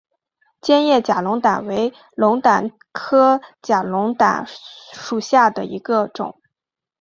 尖叶假龙胆为龙胆科假龙胆属下的一个种。